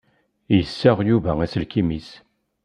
Yessaɣ Yuba aselkim-is.